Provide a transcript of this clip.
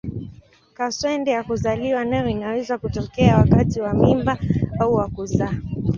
Kaswende ya kuzaliwa nayo inaweza kutokea wakati wa mimba au wa kuzaa.